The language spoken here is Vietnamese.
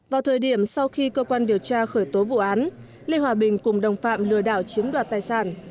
vào thời điểm sau khi cơ quan điều tra khởi tố vụ án lê hòa bình cùng đồng phạm lừa đảo chiếm đoạt tài sản